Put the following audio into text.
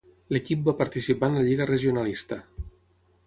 L'equip va participar en la Lliga Regionalista.